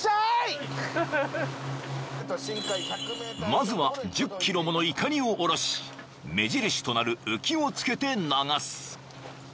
［まずは１０ｋｇものいかりを下ろし目印となる浮きをつけて流す］